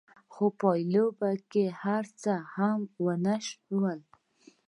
خو په پايله کې هېڅ هم ونه شول.